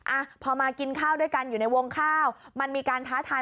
อ่ะพอมากินข้าวด้วยกันอยู่ในวงข้าวมันมีการท้าทาย